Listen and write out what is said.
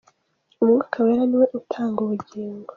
Umwuka Wera ni we utanga ubugingo.